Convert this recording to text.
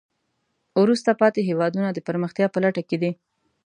وروسته پاتې هېوادونه د پرمختیا په لټه کې دي.